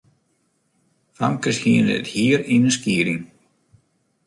Famkes hiene it hier yn in skieding.